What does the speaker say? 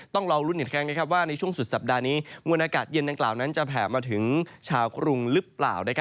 ต้องรอลุ้นอีกครั้งว่าในช่วงสุดสัปดาห์นี้มวลอากาศเย็นดังกล่าวนั้นจะแผ่มาถึงชาวกรุงหรือเปล่า